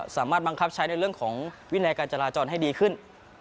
สามารถบังคับใช้ในเรื่องของวินัยการจราจรให้ดีขึ้น